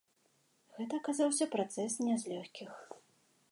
Гэта аказаўся працэс не з лёгкіх.